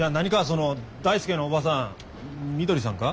その大介の叔母さんみどりさんか？